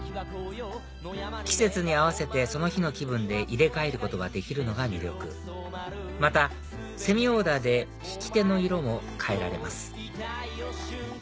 季節に合わせてその日の気分で入れ替えることができるのが魅力またセミオーダーで引き手の色も変えられます